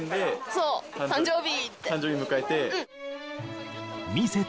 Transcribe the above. そう、誕生日迎えて。